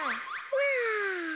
わあ！